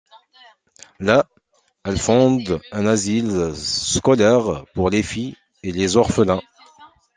Là, elles fondent un asile scolaire pour les filles et les orphelins.